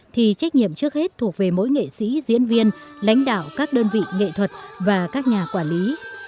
thì trách nhiệm trước hết thuộc về mỗi nghệ sĩ diễn viên lãnh đạo các đơn vị nghệ thuật và các nhà quản lý